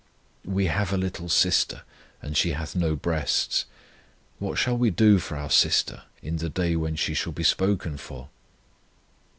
We have a little sister, And she hath no breasts: What shall we do for our sister In the day when she shall be spoken for?